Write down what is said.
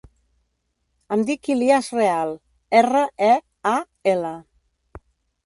Em dic Ilías Real: erra, e, a, ela.